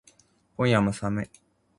今夜も寒い